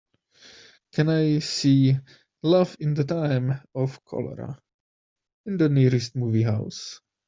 Can I see Love in the Time of Cholera in the nearest movie house